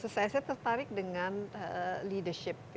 saya tertarik dengan leadership